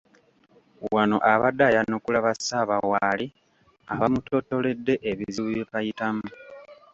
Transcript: Wano abadde ayanukula bassaabawaali abamuttottoledde ebizibu bye bayitamu.